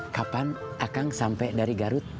kapan akang sampai dari garut